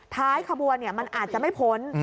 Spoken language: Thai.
ท้ายขบวนมันอาจจะไม่พ้น